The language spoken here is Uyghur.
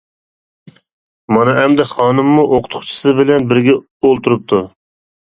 مانا ئەمدى خانىممۇ ئوقۇتقۇچىسى بىلەن بىرگە ئولتۇرۇپتۇ.